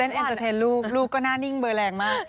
เอ็นเตอร์เทนลูกลูกก็หน้านิ่งเบอร์แรงมาก